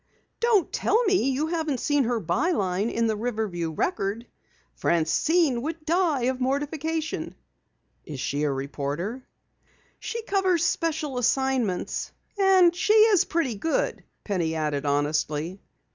"Don't tell me you haven't seen her by line in the Riverview Record! Francine would die of mortification." "Is she a reporter?" "She covers special assignments. And she is pretty good," Penny added honestly.